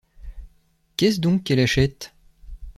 Qu’est-ce donc qu’elle achète?